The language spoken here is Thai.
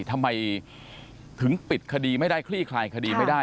ทำไมถึงปิดคดีไม่ได้คลี่คลายคดีไม่ได้